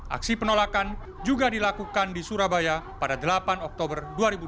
aksi penolakan juga dilakukan di surabaya pada delapan oktober dua ribu dua puluh